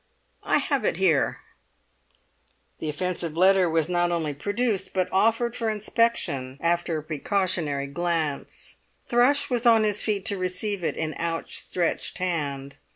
"I have it here." The offensive letter was not only produced, but offered for inspection after a precautionary glance. Thrush was on his feet to receive it in outstretched hand.